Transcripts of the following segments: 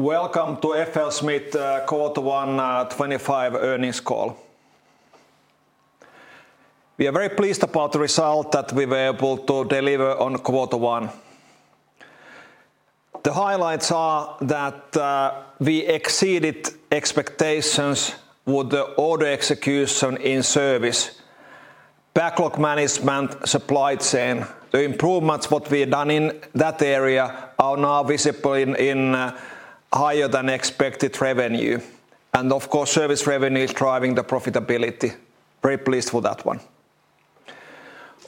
Welcome to FLSmidth Q1 2025 earnings call. We are very pleased about the result that we were able to deliver on Q1. The highlights are that we exceeded expectations with the order execution in service, backlog management, supply chain. The improvements that we've done in that area are now visible in higher-than-expected revenue. Of course, service revenue is driving the profitability. Very pleased with that one.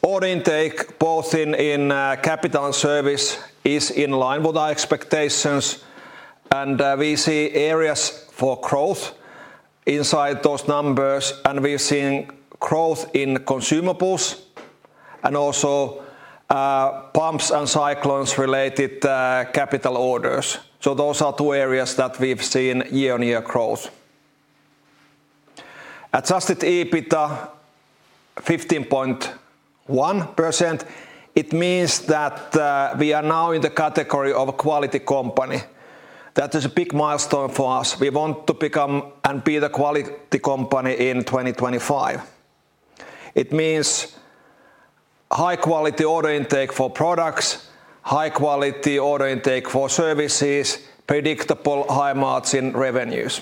Order intake, both in capital and service, is in line with our expectations. We see areas for growth inside those numbers. We've seen growth in consumables and also pumps and cyclones-related capital orders. Those are two areas that we've seen year-on-year growth. Adjusted EBITDA 15.1%. It means that we are now in the category of a quality company. That is a big milestone for us. We want to become and be the quality company in 2025. It means high-quality order intake for products, high-quality order intake for services, predictable high margin revenues.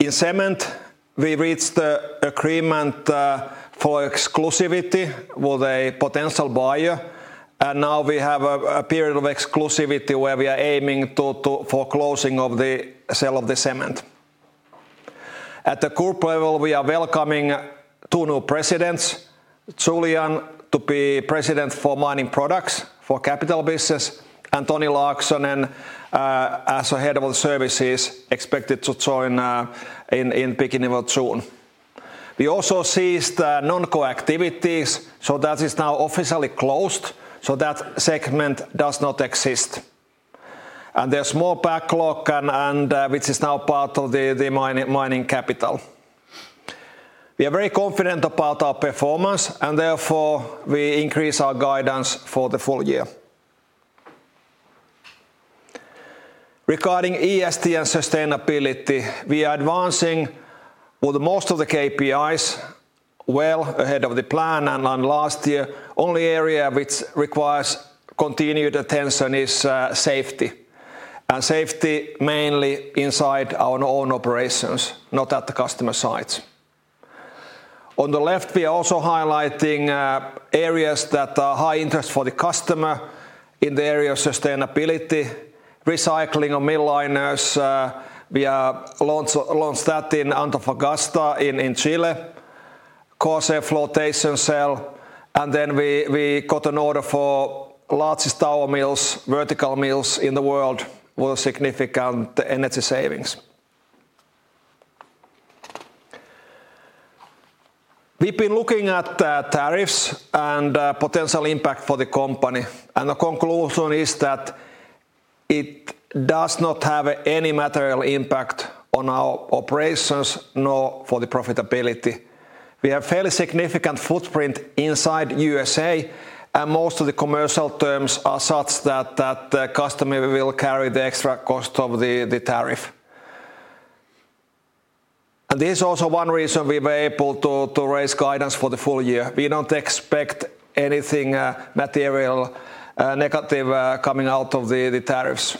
In cement, we reached an agreement for exclusivity with a potential buyer. We now have a period of exclusivity where we are aiming for closing of the sale of the cement. At the corporate level, we are welcoming two new Presidents: Julian, to be President for mining products for capital business, and Tony Larkson, as Head of the Services, expected to join in the beginning of June. We also ceased non-core activities, so that is now officially closed. That segment does not exist. There is more backlog, which is now part of the mining capital. We are very confident about our performance, and therefore we increase our guidance for the full year. Regarding ESG and sustainability, we are advancing with most of the KPIs well ahead of the plan. Last year, the only area which requires continued attention is safety. Safety mainly inside our own operations, not at the customer's sites. On the left, we are also highlighting areas that are high interest for the customer in the area of sustainability: recycling of mill liners. We launched that in Antofagasta in Chile, caused a flotation sale. We got an order for the largest tower mills, vertical mills in the world, with significant energy savings. We have been looking at tariffs and potential impact for the company. The conclusion is that it does not have any material impact on our operations, nor for the profitability. We have a fairly significant footprint inside the USA, and most of the commercial terms are such that the customer will carry the extra cost of the tariff. This is also one reason we were able to raise guidance for the full year. We do not expect anything material, negative, coming out of the tariffs.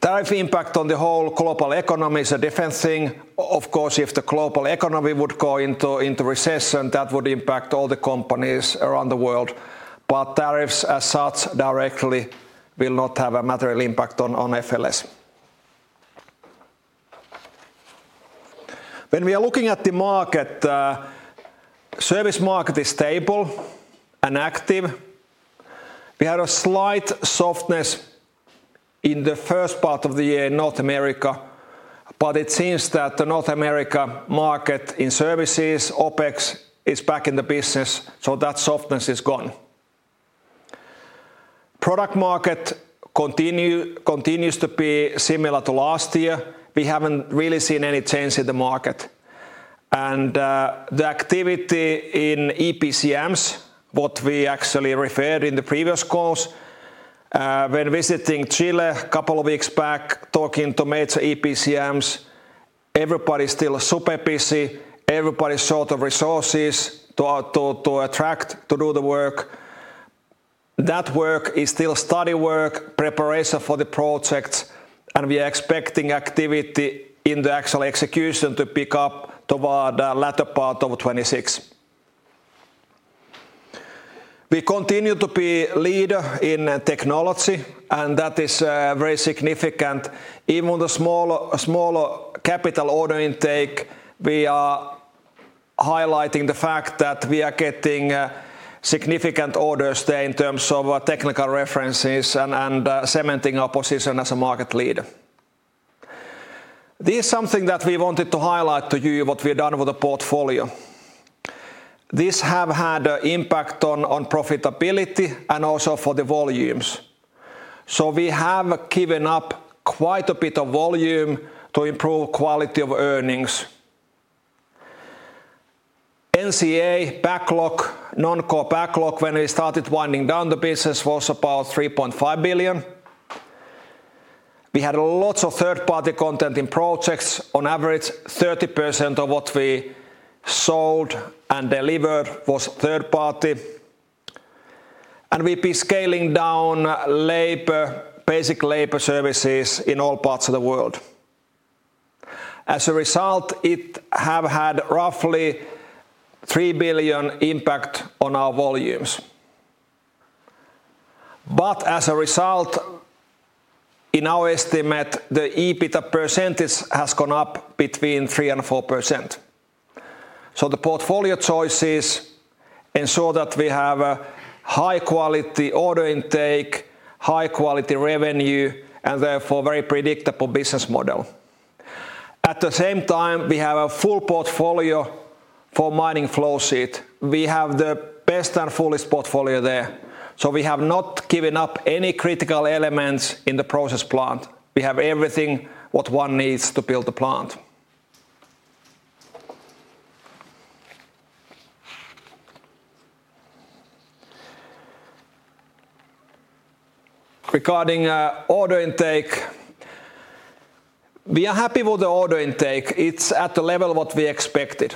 Tariff impact on the whole global economy is a different thing. Of course, if the global economy would go into recession, that would impact all the companies around the world. Tariffs as such directly will not have a material impact on FLSmidth. When we are looking at the market, the service market is stable and active. We had a slight softness in the first part of the year in North America. It seems that the North America market in services, OPEX, is back in the business. That softness is gone. Product market continues to be similar to last year. We have not really seen any change in the market. The activity in EPCMs, what we actually referred to in the previous calls, when visiting Chile a couple of weeks back, talking to major EPCMs, everybody is still super busy. Everybody is short of resources to attract, to do the work. That work is still study work, preparation for the projects. We are expecting activity in the actual execution to pick up toward the latter part of 2026. We continue to be a leader in technology, and that is very significant. Even with a smaller capital order intake, we are highlighting the fact that we are getting significant orders there in terms of technical references and cementing our position as a market leader. This is something that we wanted to highlight to you, what we have done with the portfolio. This has had an impact on profitability and also for the volumes. We have given up quite a bit of volume to improve quality of earnings. NCA backlog, non-core backlog, when we started winding down the business, was about 3.5 billion. We had lots of third-party content in projects. On average, 30% of what we sold and delivered was third-party. We have been scaling down basic labor services in all parts of the world. As a result, it has had roughly 3 billion impact on our volumes. As a result, in our estimate, the EBITDA percentage has gone up between 3%-4%. The portfolio choices ensure that we have a high-quality order intake, high-quality revenue, and therefore a very predictable business model. At the same time, we have a full portfolio for mining flow sheet. We have the best and fullest portfolio there. We have not given up any critical elements in the process plant. We have everything what one needs to build a plant. Regarding order intake, we are happy with the order intake. It's at the level of what we expected.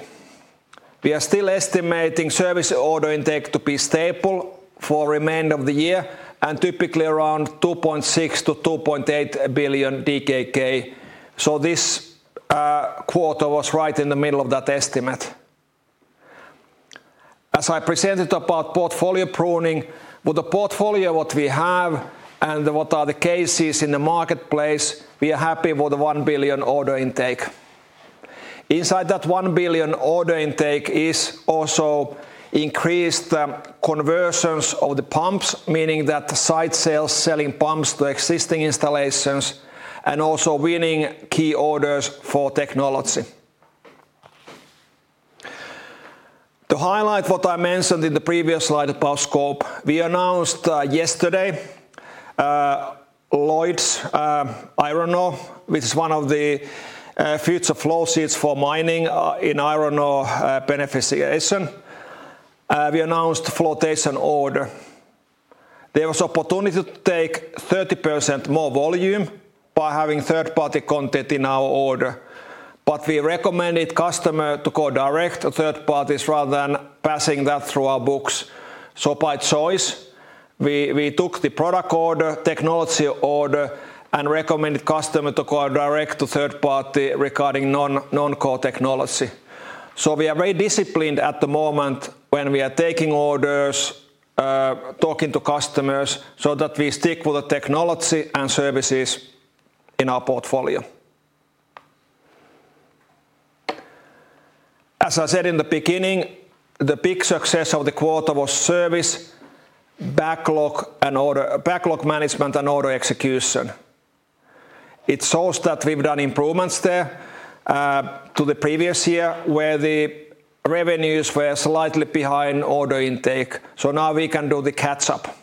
We are still estimating service order intake to be stable for the remainder of the year, and typically around 2.6 billion-2.8 billion DKK. This quarter was right in the middle of that estimate. As I presented about portfolio pruning, with the portfolio what we have and what are the cases in the marketplace, we are happy with the 1 billion order intake. Inside that 1 billion order intake is also increased conversions of the pumps, meaning that site sales selling pumps to existing installations and also winning key orders for technology. To highlight what I mentioned in the previous slide about scope, we announced yesterday Lloyds Iron Ore, which is one of the future flow sheets for mining in iron ore beneficiation. We announced flotation order. There was an opportunity to take 30% more volume by having third-party content in our order. We recommended customers to go direct to third parties rather than passing that through our books. By choice, we took the product order, technology order, and recommended customers to go direct to third party regarding non-core technology. We are very disciplined at the moment when we are taking orders, talking to customers so that we stick with the technology and services in our portfolio. As I said in the beginning, the big success of the quarter was service backlog management and order execution. It shows that we've done improvements there to the previous year where the revenues were slightly behind order intake. Now we can do the catch-up.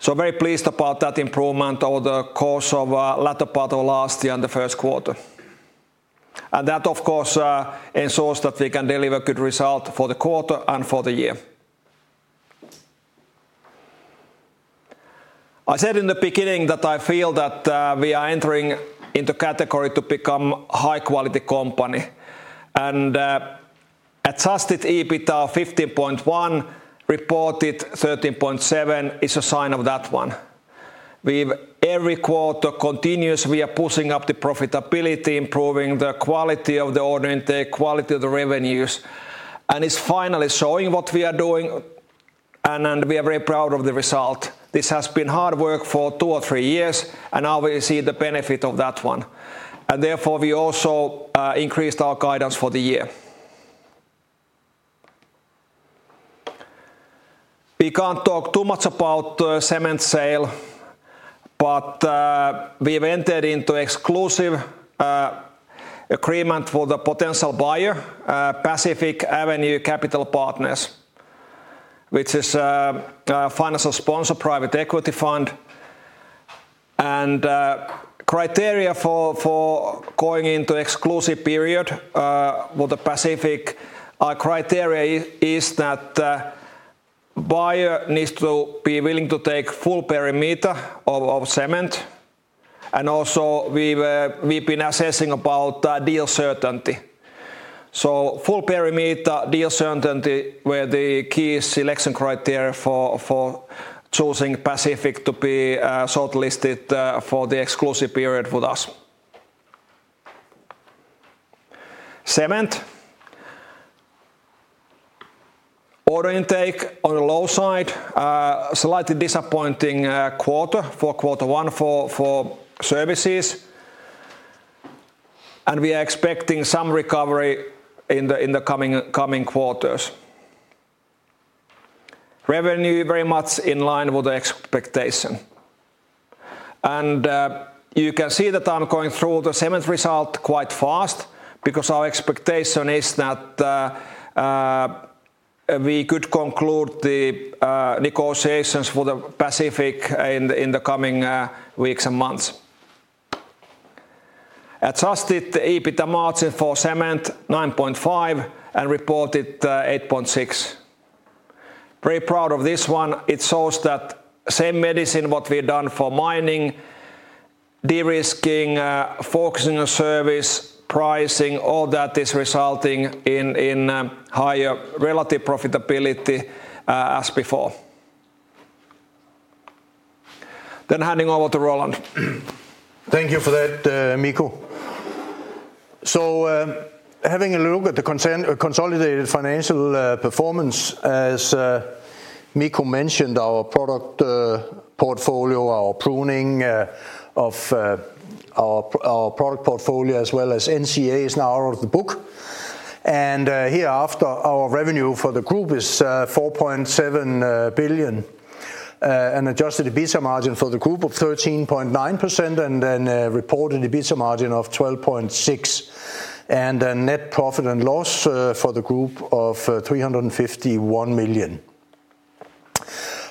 Very pleased about that improvement over the course of the latter part of last year and the first quarter. That, of course, ensures that we can deliver good results for the quarter and for the year. I said in the beginning that I feel that we are entering into category to become a high-quality company. Adjusted EBITDA of 15.1%, reported 13.7% is a sign of that one. With every quarter continuous, we are pushing up the profitability, improving the quality of the order intake, quality of the revenues. It's finally showing what we are doing. We are very proud of the result. This has been hard work for two or three years. We see the benefit of that one. Therefore, we also increased our guidance for the year. We can't talk too much about the cement sale, but we've entered into an exclusive agreement with a potential buyer, Pacific Avenue Capital Partners, which is a financial sponsor, private equity fund. Criteria for going into an exclusive period with Pacific, our criteria is that the buyer needs to be willing to take full perimeter of cement. Also, we've been assessing about deal certainty. Full perimeter, deal certainty were the key selection criteria for choosing Pacific to be shortlisted for the exclusive period with us. Cement order intake on the low side, slightly disappointing quarter for quarter one for services. We are expecting some recovery in the coming quarters. Revenue very much in line with the expectation. You can see that I'm going through the cement result quite fast because our expectation is that we could conclude the negotiations with Pacific in the coming weeks and months. Adjusted EBITDA margin for cement, 9.5%, and reported 8.6%. Very proud of this one. It shows that same medicine, what we've done for mining, de-risking, focusing on service, pricing, all that is resulting in higher relative profitability as before. Handing over to Roland. Thank you for that, Mikko. Having a look at the consolidated financial performance, as Mikko mentioned, our product portfolio, our pruning of our product portfolio, as well as NCA is now out of the book. Hereafter, our revenue for the group is 4.7 billion. Adjusted EBITDA margin for the group of 13.9% and then reported EBITDA margin of 12.6%. Net profit and loss for the group of 351 million.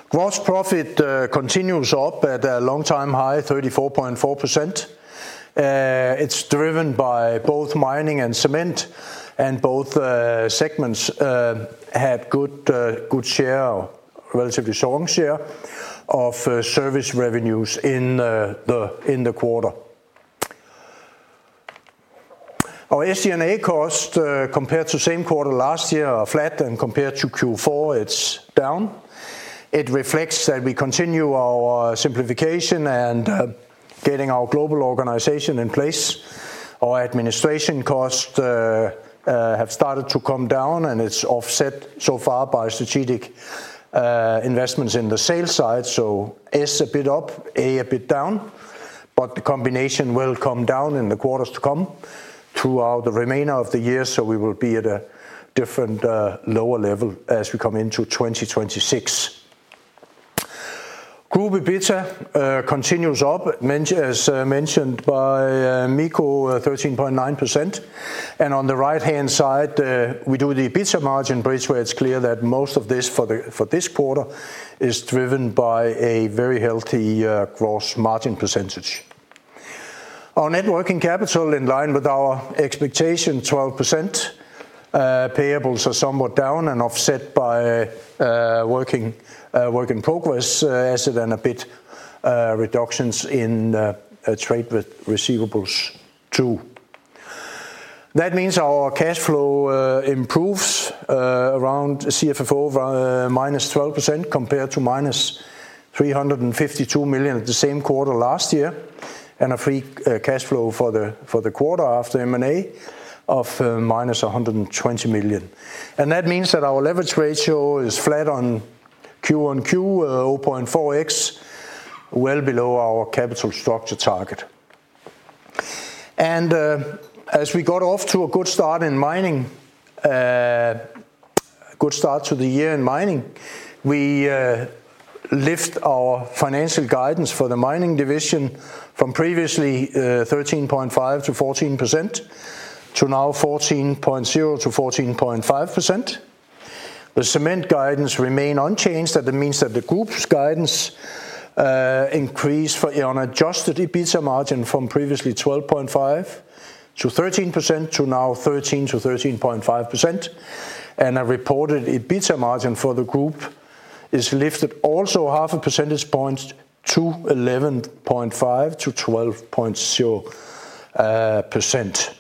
Gross profit continues up at a long-time high, 34.4%. It's driven by both mining and cement, and both segments had good share, relatively strong share of service revenues in the quarter. Our SG&A cost compared to same quarter last year are flat, and compared to Q4, it's down. It reflects that we continue our simplification and getting our global organization in place. Our administration costs have started to come down, and it's offset so far by strategic investments in the sales side. So S a bit up, A a bit down. The combination will come down in the quarters to come throughout the remainder of the year. We will be at a different lower level as we come into 2026. Group EBITDA continues up, as mentioned by Mikko, 13.9%. On the right-hand side, we do the EBITDA margin bridge, where it is clear that most of this for this quarter is driven by a very healthy gross margin percentage. Our net working capital in line with our expectation, 12%. Payables are somewhat down and offset by work in progress, as is a bit of reductions in trade receivables too. That means our cash flow improves around CFFO minus 12% compared to minus 352 million at the same quarter last year. A free cash flow for the quarter after M&A of minus 120 million. That means that our leverage ratio is flat on Q on Q, 0.4x, well below our capital structure target. As we got off to a good start in mining, a good start to the year in mining, we lift our financial guidance for the mining division from previously 13.5%-14% to now 14.0%-14.5%. The cement guidance remained unchanged. That means that the group's guidance increased on adjusted EBITDA margin from previously 12.5%-13% to now 13%-13.5%. A reported EBITDA margin for the group is lifted also half a percentage point to 11.5%-12.0%.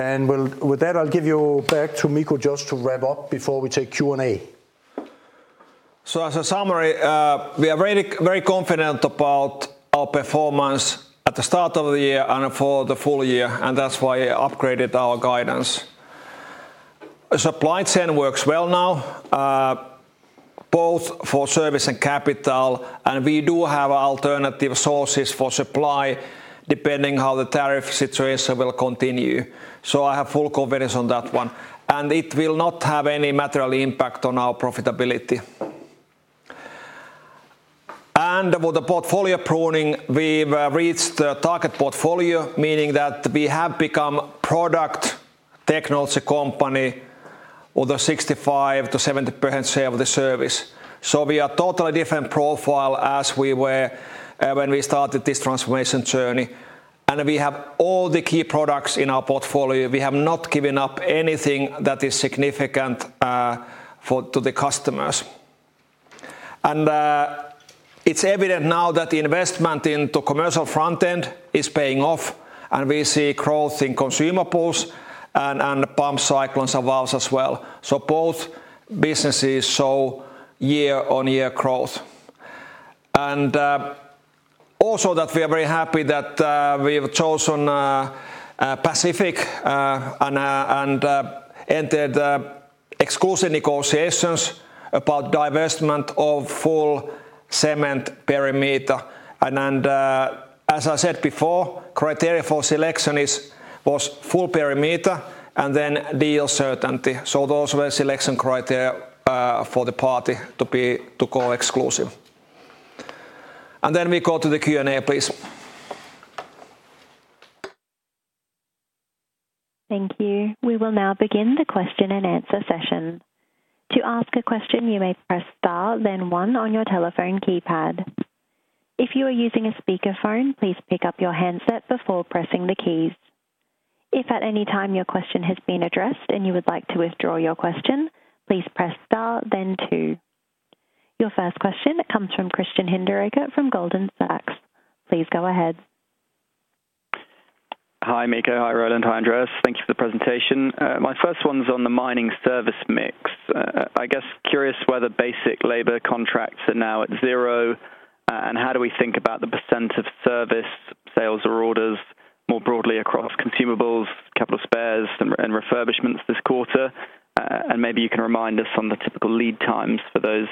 With that, I'll give you back to Mikko just to wrap up before we take Q&A. As a summary, we are very confident about our performance at the start of the year and for the full year. That's why we upgraded our guidance. Supply chain works well now, both for service and capital. We do have alternative sources for supply depending on how the tariff situation will continue. I have full confidence on that one. It will not have any material impact on our profitability. With the portfolio pruning, we have reached the target portfolio, meaning that we have become a product technology company with a 65%-70% share of the service. We are a totally different profile as we were when we started this transformation journey. We have all the key products in our portfolio. We have not given up anything that is significant to the customers. It is evident now that the investment into commercial front end is paying off. We see growth in consumables and pumps, cyclones of ours as well. Both businesses show year-on-year growth. Also, we are very happy that we have chosen Pacific and entered exclusive negotiations about divestment of full cement perimeter. As I said before, criteria for selection was full perimeter and then deal certainty. Those were selection criteria for the party to go exclusive. We will now begin the question and answer session. To ask a question, you may press star, then one on your telephone keypad. If you are using a speakerphone, please pick up your handset before pressing the keys. If at any time your question has been addressed and you would like to withdraw your question, please press star, then two. Your first question comes from Christian Hinderaker from Goldman Sachs. Please go ahead. Hi, Mikko. Hi, Roland. Hi, Andreas. Thank you for the presentation. My first one's on the mining service mix. I guess curious whether basic labor contracts are now at zero and how do we think about the percent of service sales or orders more broadly across consumables, capital spares, and refurbishments this quarter. Maybe you can remind us on the typical lead times for those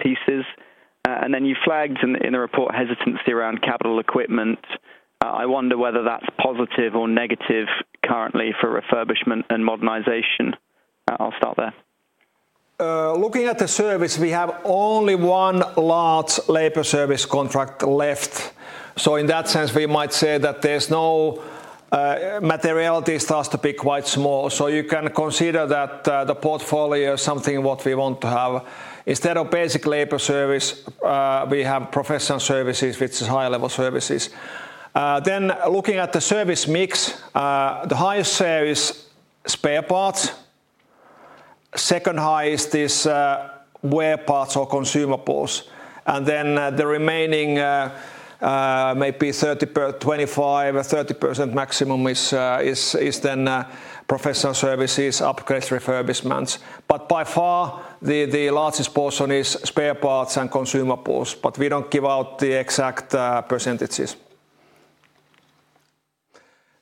pieces. You flagged in the report hesitancy around capital equipment. I wonder whether that's positive or negative currently for refurbishment and modernization. I'll start there. Looking at the service, we have only one large labor service contract left. In that sense, we might say that there's no materiality, starts to be quite small. You can consider that the portfolio is something what we want to have. Instead of basic labor service, we have professional services, which is high-level services. Looking at the service mix, the highest share is spare parts. Second highest is wear parts or consumables. The remaining maybe 25%-30% maximum is then professional services, upgrades, refurbishments. By far, the largest portion is spare parts and consumables. We do not give out the exact percentages.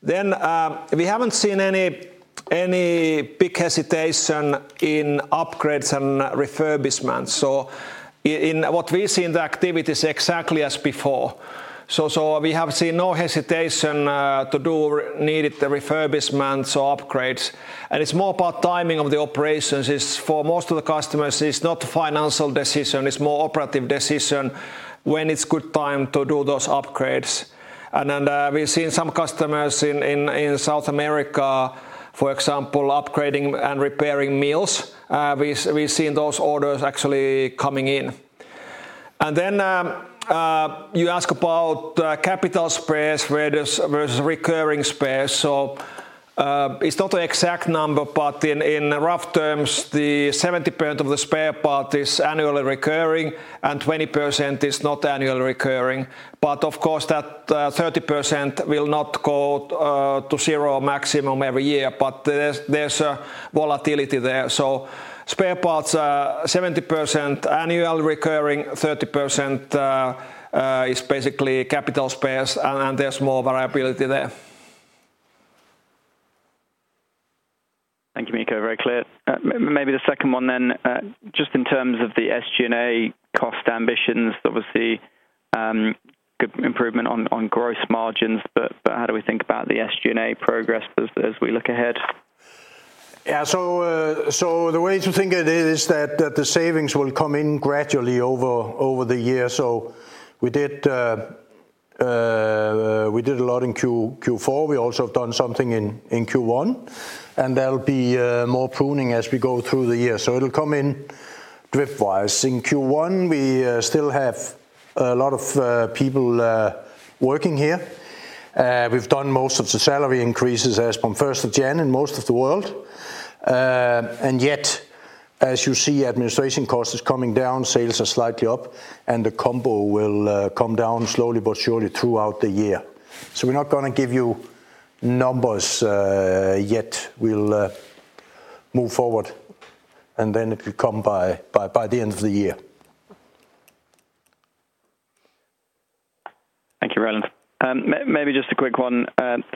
We have not seen any big hesitation in upgrades and refurbishments. What we see in the activity is exactly as before. We have seen no hesitation to do needed refurbishments or upgrades. It is more about timing of the operations. For most of the customers, it is not a financial decision. It is more an operative decision when it is a good time to do those upgrades. We have seen some customers in South America, for example, upgrading and repairing mills. We have seen those orders actually coming in. You ask about capital spares versus recurring spares. It is not an exact number, but in rough terms, 70% of the spare parts is annually recurring and 20% is not annually recurring. Of course, that 30% will not go to zero maximum every year, but there is a volatility there. Spare parts are 70% annually recurring, 30% is basically capital spares, and there is more variability there. Thank you, Mikko. Very clear. Maybe the second one then, just in terms of the SG&A cost ambitions, there was the good improvement on gross margins, but how do we think about the SG&A progress as we look ahead? Yeah, the way to think of it is that the savings will come in gradually over the year. We did a lot in Q4. We also have done something in Q1. There will be more pruning as we go through the year. It will come in drip-wise. In Q1, we still have a lot of people working here. We've done most of the salary increases as from 1st of January in most of the world. Yet, as you see, administration costs are coming down, sales are slightly up, and the combo will come down slowly but surely throughout the year. We're not going to give you numbers yet. We'll move forward, and then it will come by the end of the year. Thank you, Roland. Maybe just a quick one.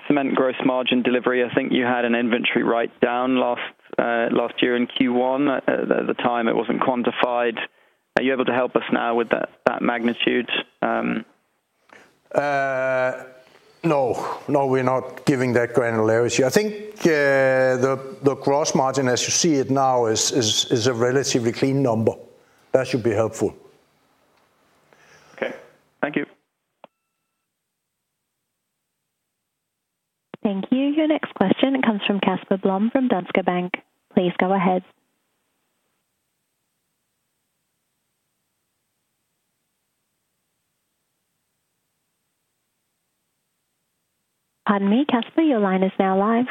Cement gross margin delivery, I think you had an inventory write-down last year in Q1. At the time, it wasn't quantified. Are you able to help us now with that magnitude? No. No, we're not giving that granularity. I think the gross margin, as you see it now, is a relatively clean number. That should be helpful. Okay. Thank you. Thank you. Your next question comes from Casper Blom from Danske Bank. Please go ahead. Pardon me, Casper, your line is now live.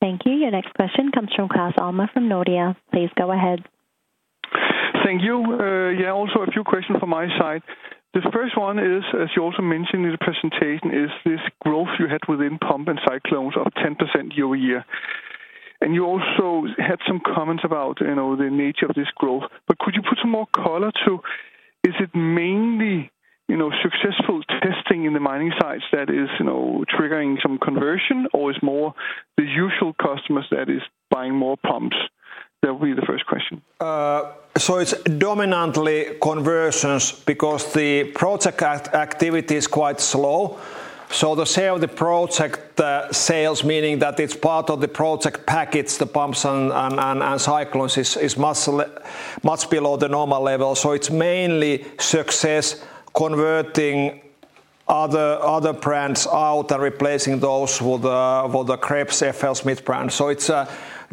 Thank you. Your next question comes from Claus Almer from Nordea. Please go ahead. Thank you. Yeah, also a few questions from my side. This first one is, as you also mentioned in the presentation, is this growth you had within pumps and cyclones of 10% year over year. And you also had some comments about the nature of this growth. Could you put some more color to is it mainly successful testing in the mining sites that is triggering some conversion, or is it more the usual customers that are buying more pumps? That would be the first question. It is dominantly conversions because the project activity is quite slow. The share of the project sales, meaning that it's part of the project packets, the pumps and cyclones, is much below the normal level. It's mainly success converting other brands out and replacing those with the Krebs FLSmidth brand. It's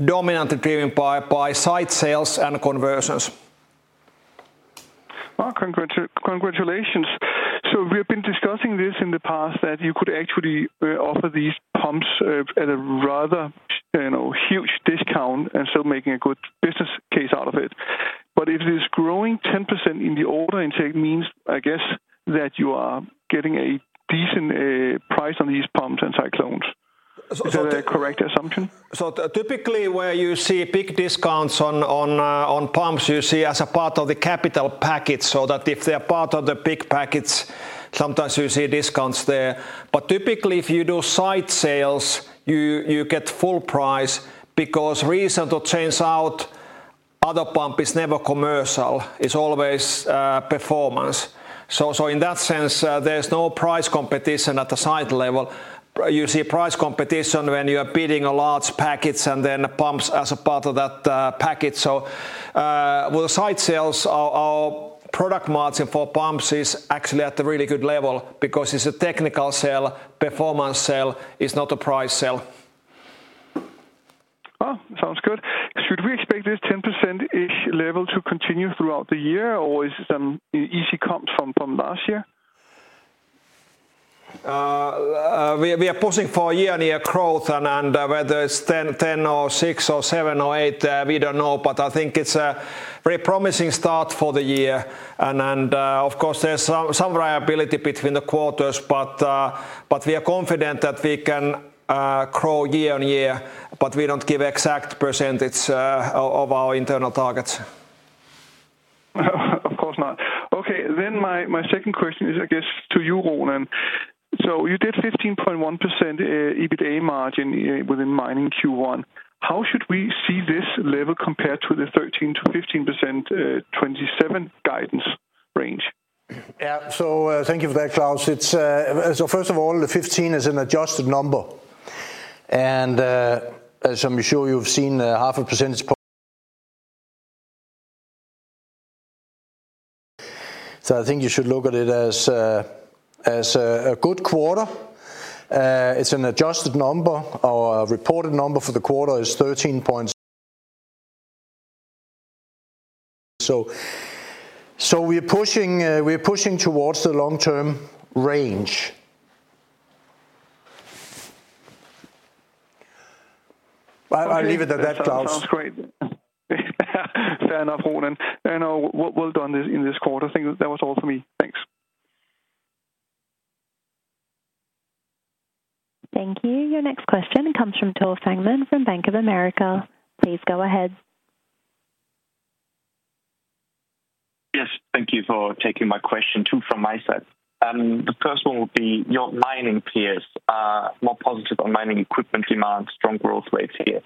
dominantly driven by site sales and conversions. Congratulations. We've been discussing this in the past that you could actually offer these pumps at a rather huge discount and still make a good business case out of it. If this growing 10% in the order intake means, I guess, that you are getting a decent price on these pumps and cyclones. Is that a correct assumption? Typically where you see big discounts on pumps, you see as a part of the capital package. If they're part of the big package, sometimes you see discounts there. Typically, if you do site sales, you get full price because reason to change out other pump is never commercial. It is always performance. In that sense, there is no price competition at the site level. You see price competition when you are bidding a large package and then pumps as a part of that package. With the site sales, our product margin for pumps is actually at a really good level because it is a technical sale, performance sale, it is not a price sale. Sounds good. Should we expect this 10%-ish level to continue throughout the year, or is it an easy come from last year? We are pushing for a year-on-year growth, and whether it is 10% or 6% or 7% or 8%, we do not know. I think it is a very promising start for the year. Of course, there's some variability between the quarters, but we are confident that we can grow year on year. We do not give exact percentage of our internal targets. Of course not. Okay. My second question is, I guess, to you, Roland. You did 15.1% EBITDA margin within mining Q1. How should we see this level compared to the 13%-15% 2027 guidance range? Yeah, thank you for that, Claus. First of all, the 15 is an adjusted number. As I'm sure you've seen, half a percentage. I think you should look at it as a good quarter. It's an adjusted number. Our reported number for the quarter is 13. We are pushing towards the long-term range. I'll leave it at that, Claus. That sounds great. Fair enough, Roland. We'll do on this in this quarter. I think that was all for me. Thanks. Thank you. Your next question comes from Tul Sangman from Bank of America. Please go ahead. Yes. Thank you for taking my question too from my side. The first one would be your mining peers are more positive on mining equipment demand, strong growth rates here.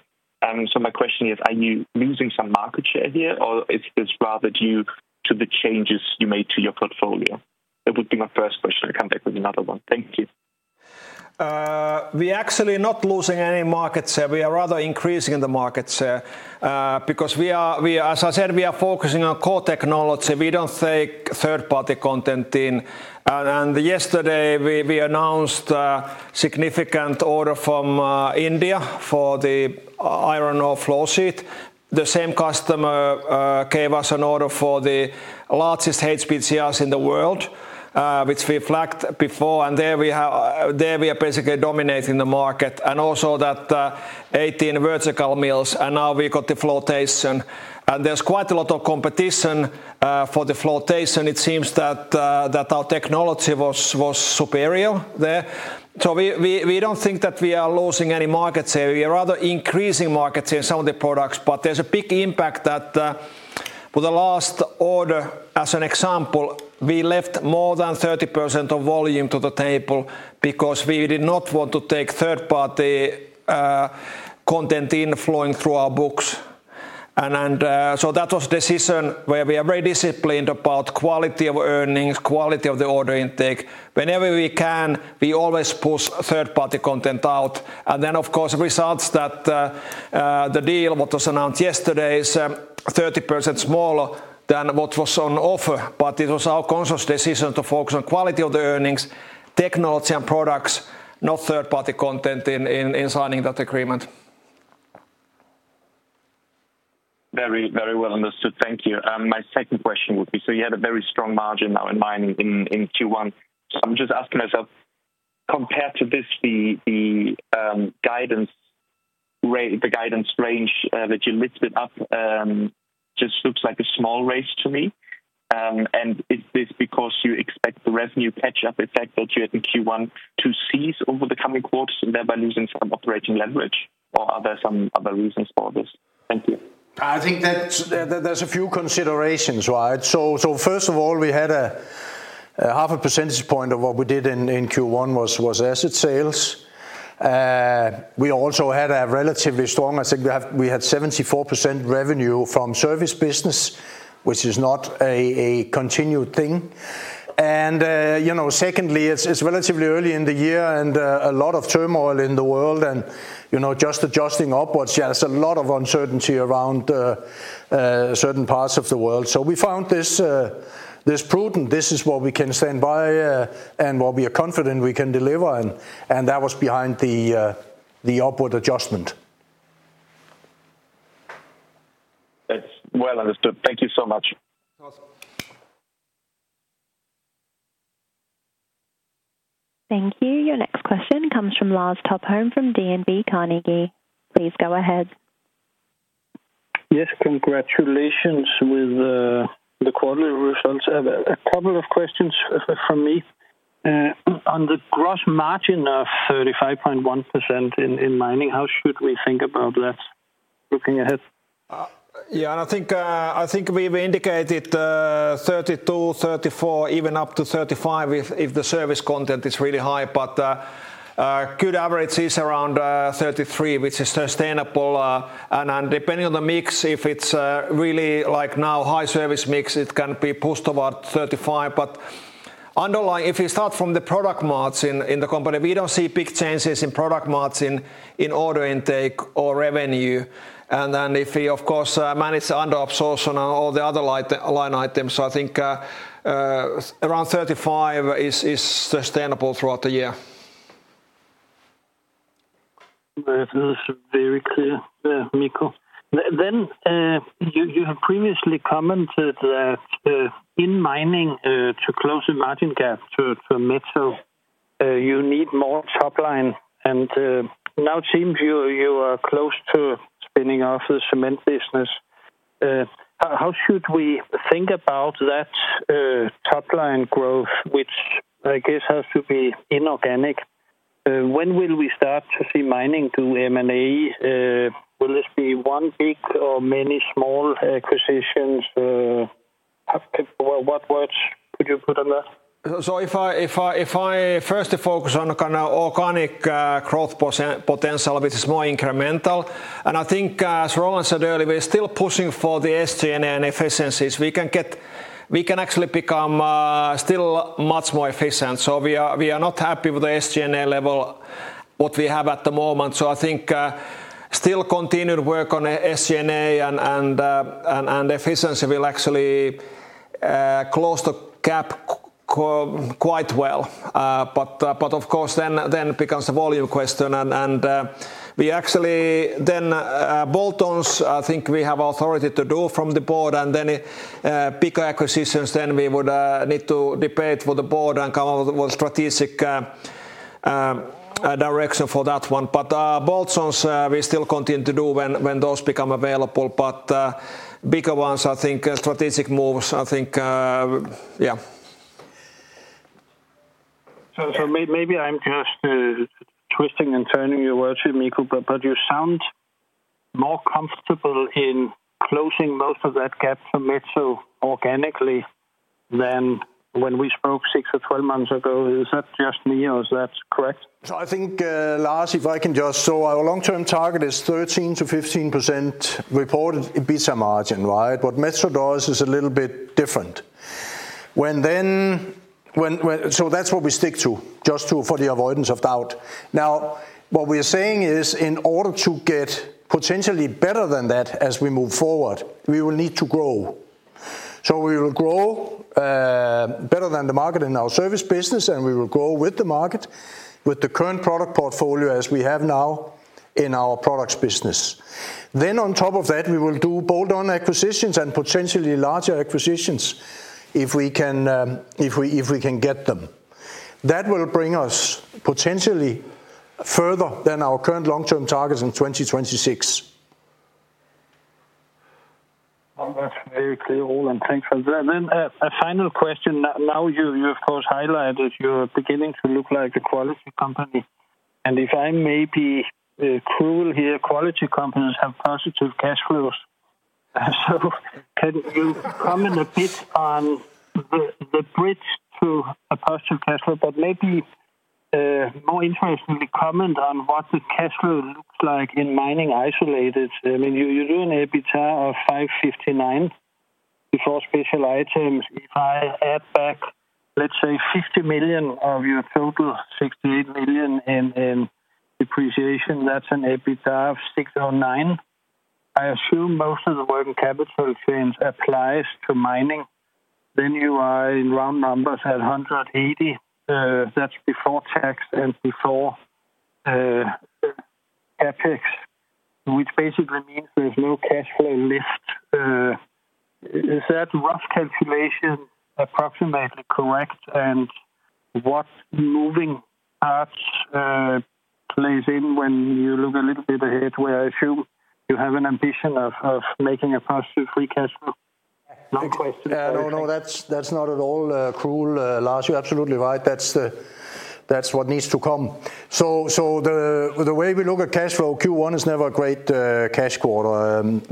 So my question is, are you losing some market share here, or is this rather due to the changes you made to your portfolio? That would be my first question. I'll come back with another one. Thank you. We're actually not losing any market share. We are rather increasing the market share because we are, as I said, we are focusing on core technology. We do not take third-party content in. Yesterday, we announced a significant order from India for the iron ore flow sheet. The same customer gave us an order for the largest HPGRs in the world, which we flagged before. We are basically dominating the market. Also, that is 18 vertical mills, and now we got the flotation. There is quite a lot of competition for the flotation. It seems that our technology was superior there. We do not think that we are losing any market share. We are rather increasing market share in some of the products, but there is a big impact that with the last order, as an example, we left more than 30% of volume to the table because we did not want to take third-party content in flowing through our books. That was a decision where we are very disciplined about quality of earnings, quality of the order intake. Whenever we can, we always push third-party content out. Of course, it results that the deal that was announced yesterday is 30% smaller than what was on offer. It was our conscious decision to focus on quality of the earnings, technology, and products, not third-party content in signing that agreement. Very, very well understood. Thank you. My second question would be, you had a very strong margin now in mining in Q1. I am just asking myself, compared to this, the guidance range that you listed up just looks like a small raise to me. Is this because you expect the revenue catch-up effect that you had in Q1 to cease over the coming quarters and thereby lose some operating leverage, or are there some other reasons for this? Thank you. I think that there are a few considerations, right? First of all, we had half a percentage point of what we did in Q1 was asset sales. We also had a relatively strong, I think we had 74% revenue from service business, which is not a continued thing. Secondly, it's relatively early in the year and a lot of turmoil in the world and just adjusting upwards. Yeah, there's a lot of uncertainty around certain parts of the world. We found this prudent. This is what we can stand by and what we are confident we can deliver. That was behind the upward adjustment. That's well understood. Thank you so much. Thank you. Your next question comes from Lars Topholm from DNB Carnegie. Please go ahead. Yes. Congratulations with the quarterly results. A couple of questions from me. On the gross margin of 35.1% in mining, how should we think about that looking ahead? Yeah, I think we've indicated 32%, 34%, even up to 35% if the service content is really high. A good average is around 33%, which is sustainable. Depending on the mix, if it's really like now high service mix, it can be pushed above 35%. Underlying, if you start from the product margin in the company, we don't see big changes in product margin in order intake or revenue. If we, of course, manage the under-absorption and all the other line items, I think around 35% is sustainable throughout the year. That was very clear there, Mikko. You have previously commented that in mining to close the margin gap to a metal, you need more top line. Now it seems you are close to spinning off the cement business. How should we think about that top line growth, which I guess has to be inorganic? When will we start to see mining do M&A? Will this be one big or many small acquisitions? What words could you put on that? If I first focus on organic growth potential, which is more incremental. I think, as Roland said earlier, we're still pushing for the SG&A and efficiencies. We can actually become still much more efficient. We are not happy with the SG&A level, what we have at the moment. I think still continued work on SG&A and efficiency will actually close the gap quite well. Of course, it becomes a volume question. We actually then bolt-ons, I think we have authority to do from the board. Then bigger acquisitions, we would need to debate with the board and come up with a strategic direction for that one. Bolt-ons, we still continue to do when those become available. Bigger ones, I think strategic moves, I think, yeah. Maybe I am just twisting and turning your words here, Mikko, but you sound more comfortable in closing most of that gap for metal organically than when we spoke six or twelve months ago. Is that just me or is that correct? I think, Lars, if I can just, our long-term target is 13%-15% reported EBITDA margin, right? What Metso does is a little bit different. That is what we stick to, just for the avoidance of doubt. What we are saying is in order to get potentially better than that as we move forward, we will need to grow. We will grow better than the market in our service business, and we will grow with the market, with the current product portfolio as we have now in our products business. On top of that, we will do bolt-on acquisitions and potentially larger acquisitions if we can get them. That will bring us potentially further than our current long-term targets in 2026. That is very clear, Roland, thanks. A final question. Now you have, of course, highlighted you are beginning to look like a quality company. If I may be cruel here, quality companies have positive cash flows. Can you comment a bit on the bridge to a positive cash flow, but maybe more interestingly comment on what the cash flow looks like in mining isolated? I mean, you are doing EBITDA of 559 before special items. If I add back, let's say, $50 million of your total, $68 million in depreciation, that's an EBITDA of $609 million. I assume most of the working capital change applies to mining. Then you are in round numbers at $180 million. That's before tax and before CapEx, which basically means there's no cash flow lift. Is that rough calculation approximately correct? And what moving parts play in when you look a little bit ahead where I assume you have an ambition of making a positive free cash flow? No questions. No, no, that's not at all cruel, Lars. You're absolutely right. That's what needs to come. The way we look at cash flow, Q1 is never a great cash quarter.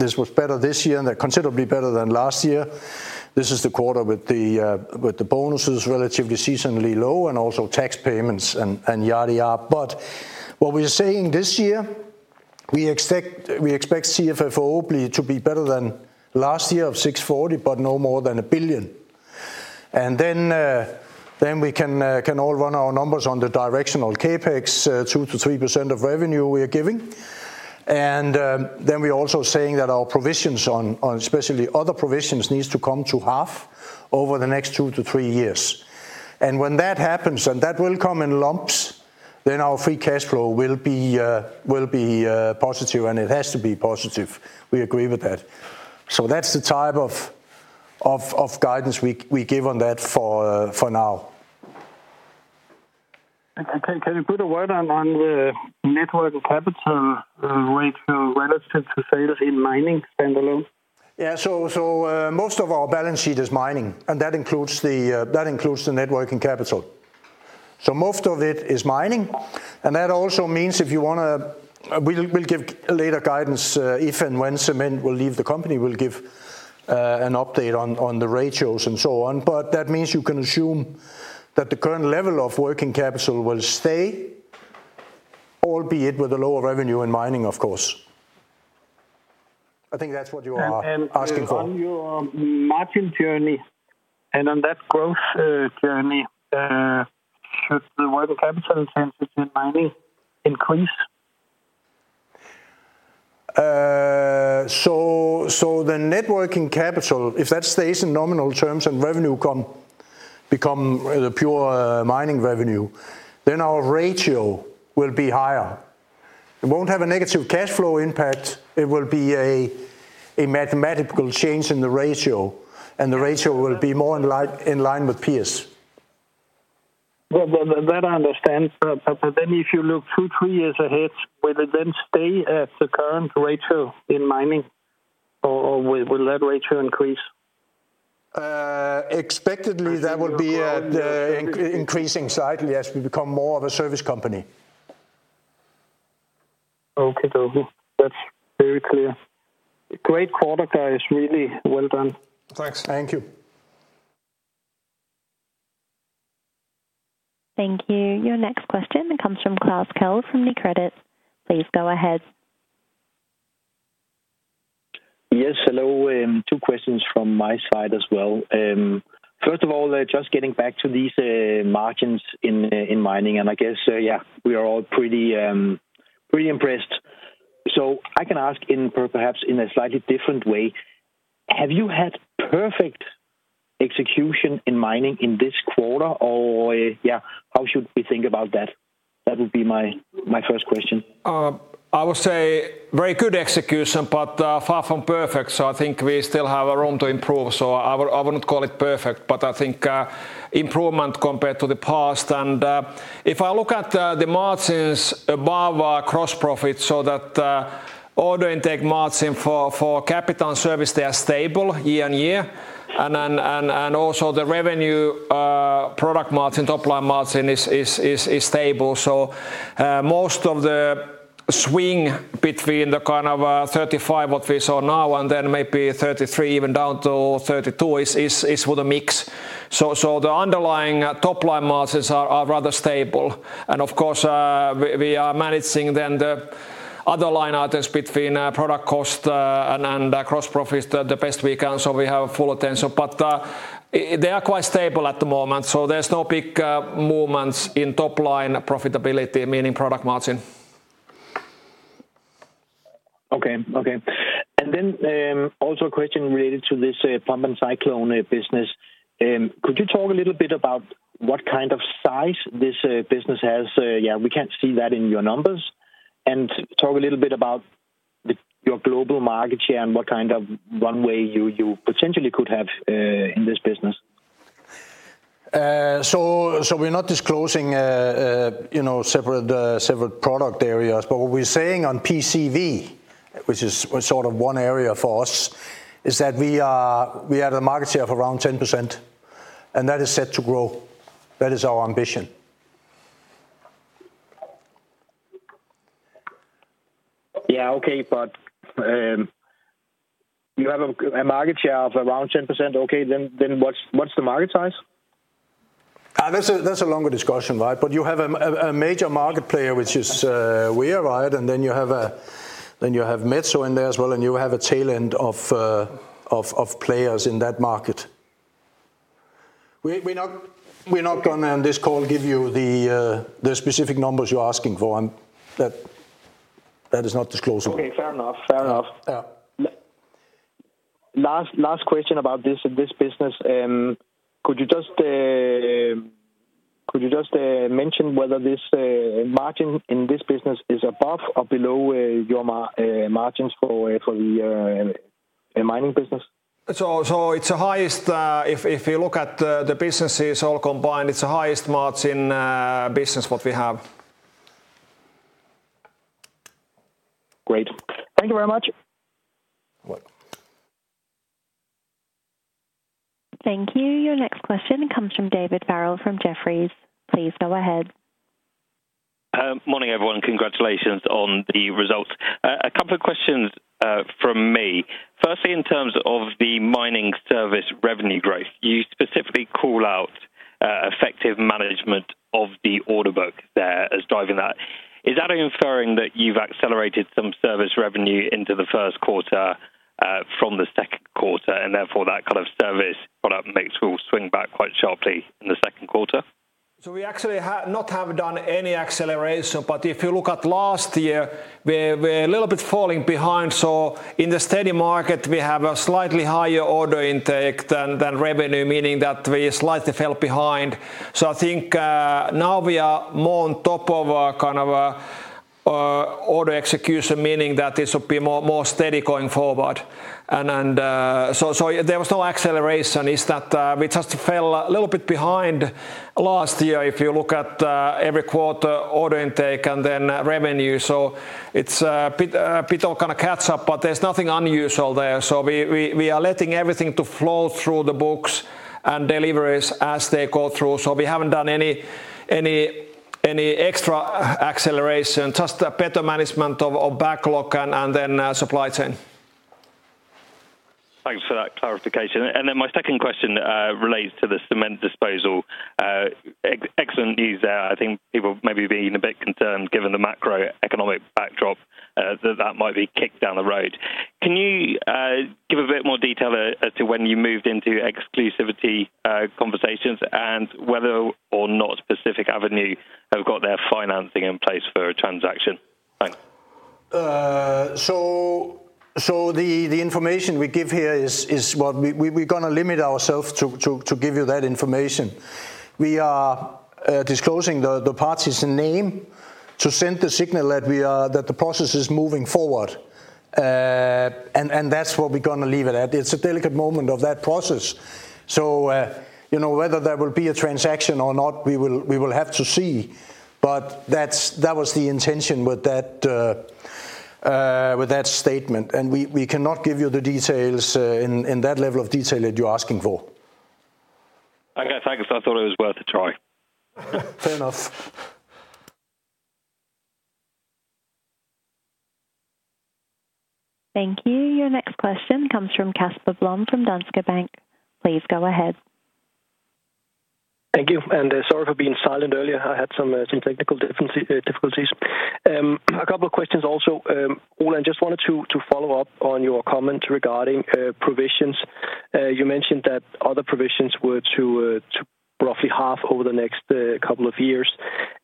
This was better this year and considerably better than last year. This is the quarter with the bonuses relatively seasonally low and also tax payments and yada ya. What we're saying this year, we expect CFFO to be better than last year of 640 million, but no more than 1 billion. We can all run our numbers on the directional CapEx, 2%-3% of revenue we are giving. We're also saying that our provisions, especially other provisions, need to come to half over the next two to three years. When that happens, and that will come in lumps, our free cash flow will be positive, and it has to be positive. We agree with that. That's the type of guidance we give on that for now. Can you put a word on the working capital rate relative to sales in mining standalone? Yeah, most of our balance sheet is mining, and that includes the working capital. Most of it is mining. That also means if you want to, we'll give later guidance if and when cement will leave the company, we'll give an update on the ratios and so on. That means you can assume that the current level of working capital will stay, albeit with a lower revenue in mining, of course. I think that's what you are asking for. On your margin journey and on that growth journey, should the working capital change in mining increase? The net working capital, if that stays in nominal terms and revenue becomes pure mining revenue, then our ratio will be higher. It will not have a negative cash flow impact. It will be a mathematical change in the ratio, and the ratio will be more in line with peers. That I understand. But then if you look two, three years ahead, will it then stay at the current ratio in mining, or will that ratio increase? Expectedly, that will be increasing slightly as we become more of a service company. Okay, though. That's very clear. Great quarter, guys. Really well done. Thanks. Thank you. Thank you. Your next question comes from Klaus Kell from New Credits. Please go ahead. Yes, hello. Two questions from my side as well. First of all, just getting back to these margins in mining, and I guess, yeah, we are all pretty impressed. So I can ask perhaps in a slightly different way. Have you had perfect execution in mining in this quarter, or yeah, how should we think about that? That would be my first question. I would say very good execution, but far from perfect. So I think we still have room to improve. I would not call it perfect, but I think improvement compared to the past. If I look at the margins above our gross profit, so that order intake margin for capital and service, they are stable year on year. Also, the revenue product margin, top line margin is stable. Most of the swing between the kind of 35% what we saw now and then maybe 33%, even down to 32% is with a mix. The underlying top line margins are rather stable. Of course, we are managing then the other line items between product cost and gross profit the best we can. We have full attention. They are quite stable at the moment. There are no big movements in top line profitability, meaning product margin. Okay, okay. Also a question related to this pump and cyclone business. Could you talk a little bit about what kind of size this business has? Yeah, we can't see that in your numbers. Talk a little bit about your global market share and what kind of runway you potentially could have in this business. We are not disclosing separate product areas, but what we are saying on PCV, which is sort of one area for us, is that we have a market share of around 10%, and that is set to grow. That is our ambition. Yeah, okay, but you have a market share of around 10%. Okay, what is the market size? That is a longer discussion, right? You have a major market player, which is Weir, and then you have Metso in there as well, and you have a tail end of players in that market. We're not going to, on this call, give you the specific numbers you're asking for. That is not disclosable. Okay, fair enough. Fair enough. Last question about this business. Could you just mention whether this margin in this business is above or below your margins for the mining business? So it's the highest. If you look at the businesses all combined, it's the highest margin business what we have. Great. Thank you very much. Thank you. Your next question comes from David Farrell from Jefferies. Please go ahead. Morning, everyone. Congratulations on the results. A couple of questions from me. Firstly, in terms of the mining service revenue growth, you specifically call out effective management of the order book there as driving that. Is that inferring that you've accelerated some service revenue into the first quarter from the second quarter, and therefore that kind of service product mix will swing back quite sharply in the second quarter? We actually have not done any acceleration, but if you look at last year, we were a little bit falling behind. In the steady market, we have a slightly higher order intake than revenue, meaning that we slightly fell behind. I think now we are more on top of kind of order execution, meaning that this will be more steady going forward. There was no acceleration. We just fell a little bit behind last year if you look at every quarter order intake and then revenue. It is a bit of kind of catch-up, but there is nothing unusual there. We are letting everything flow through the books and deliveries as they go through. We have not done any extra acceleration, just better management of backlog and then supply chain. Thanks for that clarification. My second question relates to the cement disposal. Excellent news there. I think people may be a bit concerned given the macroeconomic backdrop that that might be kicked down the road. Can you give a bit more detail as to when you moved into exclusivity conversations and whether or not Pacific Avenue have got their financing in place for a transaction? Thanks. The information we give here is what we are going to limit ourselves to give you that information. We are disclosing the party's name to send the signal that the process is moving forward. That is what we are going to leave it at. It is a delicate moment of that process. Whether there will be a transaction or not, we will have to see. That was the intention with that statement. We cannot give you the details in that level of detail that you're asking for. Okay, thanks. I thought it was worth a try. Fair enough. Thank you. Your next question comes from Casper Blom from Danske Bank. Please go ahead. Thank you. Sorry for being silent earlier. I had some technical difficulties. A couple of questions also. Roland, just wanted to follow up on your comment regarding provisions. You mentioned that other provisions were to roughly half over the next couple of years.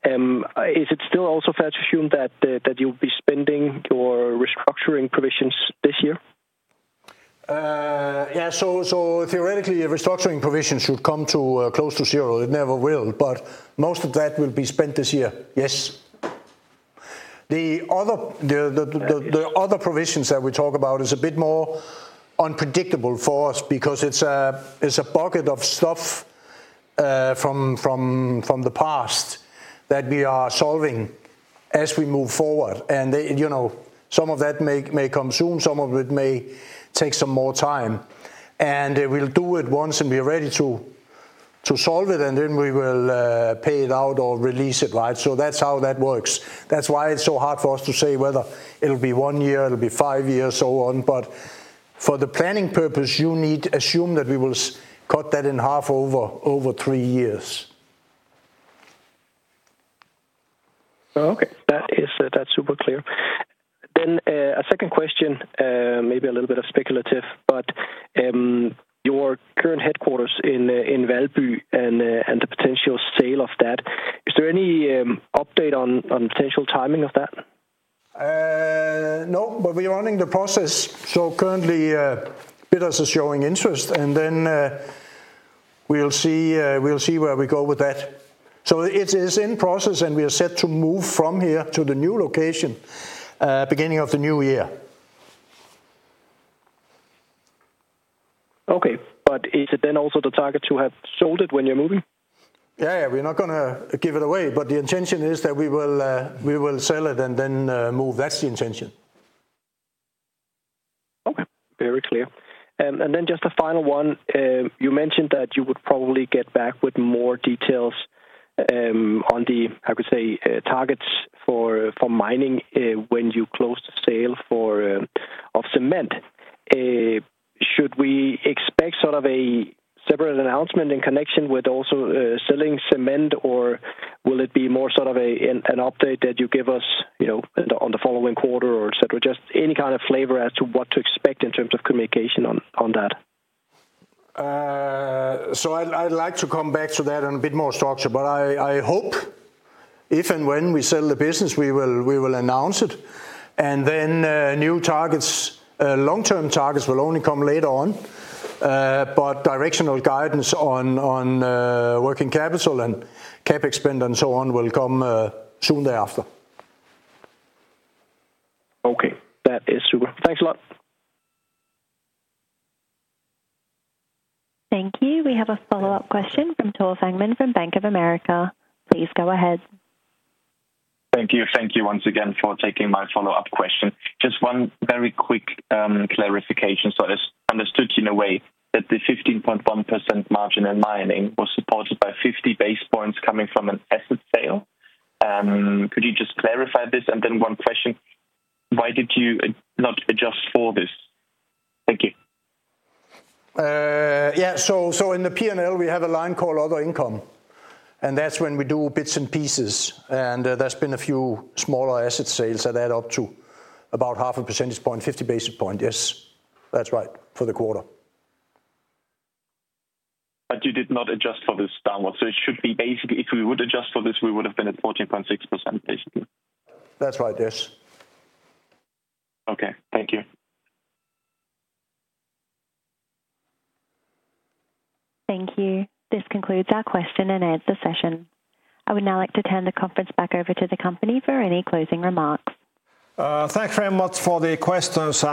Is it still also fair to assume that you'll be spending your restructuring provisions this year? Yeah, theoretically, restructuring provisions should come close to zero. It never will, but most of that will be spent this year. Yes. The other provisions that we talk about is a bit more unpredictable for us because it's a bucket of stuff from the past that we are solving as we move forward. Some of that may come soon. Some of it may take some more time. We'll do it once and be ready to solve it, and then we will pay it out or release it, right? That's how that works. That's why it's so hard for us to say whether it'll be one year, it'll be five years, so on. For the planning purpose, you need to assume that we will cut that in half over three years. Okay, that's super clear. A second question, maybe a little bit speculative, but your current headquarters in Valby and the potential sale of that, is there any update on potential timing of that? No, but we're running the process. Currently, bidders are showing interest, and then we'll see where we go with that. It is in process, and we are set to move from here to the new location beginning of the new year. Okay, but is it then also the target to have sold it when you're moving? Yeah, yeah, we're not going to give it away, but the intention is that we will sell it and then move. That's the intention. Okay, very clear. Just a final one. You mentioned that you would probably get back with more details on the, I would say, targets for mining when you close the sale of cement. Should we expect sort of a separate announcement in connection with also selling cement, or will it be more sort of an update that you give us on the following quarter, or just any kind of flavor as to what to expect in terms of communication on that? I would like to come back to that in a bit more structure, but I hope if and when we sell the business, we will announce it. New targets, long-term targets will only come later on, but directional guidance on working capital and CapEx spend and so on will come soon thereafter. Okay, that is super. Thanks a lot. Thank you. We have a follow-up question from Tul Sangman from Bank of America. Please go ahead. Thank you. Thank you once again for taking my follow-up question. Just one very quick clarification. I understood in a way that the 15.1% margin in mining was supported by 50 basis points coming from an asset sale. Could you just clarify this? And then one question, why did you not adjust for this? Thank you. Yeah, in the P&L, we have a line called other income, and that's when we do bits and pieces. There's been a few smaller asset sales that add up to about half a percentage point, 50 basis points. Yes, that's right for the quarter. But you did not adjust for this downward. It should be basically, if we would adjust for this, we would have been at 14.6% basically. That's right, yes. Okay, thank you. Thank you. This concludes our question and ends the session. I would now like to turn the conference back over to the company for any closing remarks. Thanks very much for the questions.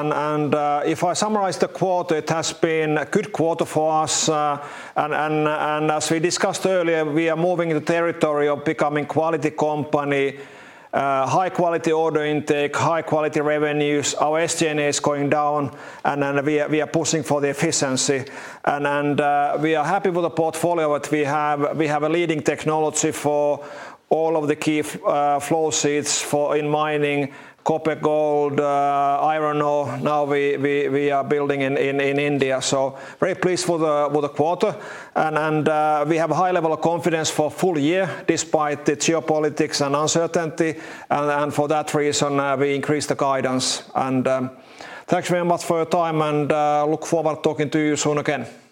If I summarize the quarter, it has been a good quarter for us. As we discussed earlier, we are moving into the territory of becoming a quality company, high-quality order intake, high-quality revenues. Our SG&A is going down, and we are pushing for the efficiency. We are happy with the portfolio that we have. We have a leading technology for all of the key flow sheets in mining, copper, gold, iron ore. Now we are building in India. Very pleased with the quarter. We have a high level of confidence for full year despite the geopolitics and uncertainty. For that reason, we increased the guidance. Thanks very much for your time, and look forward to talking to you soon again.